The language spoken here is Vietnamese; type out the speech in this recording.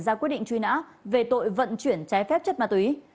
ra quyết định truy nã về tội vận chuyển trái phép chất ma túy